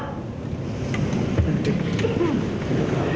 ผมจะไปเที่ยวญี่ปุ่น